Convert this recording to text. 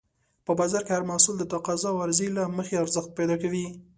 په بازار کې هر محصول د تقاضا او عرضې له مخې ارزښت پیدا کوي.